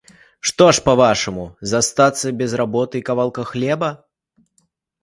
Што ж, па-вашаму, застацца без работы і кавалка хлеба?